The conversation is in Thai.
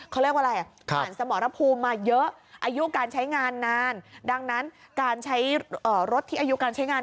เขาเรียกว่าอะไรครับ